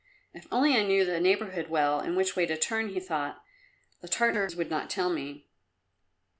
"If only I knew the neighbourhood well and which way to turn," he thought; "the Tartars would not tell me."